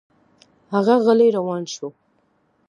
هغه غلی روان شو.